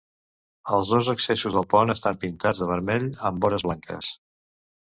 Els dos accessos del pont estan pintats de vermell amb vores blanques.